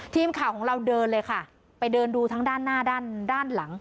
ทีมข่าวของเราเดินเลยค่ะไปเดินดูทั้งด้านหน้าด้านด้านหลัง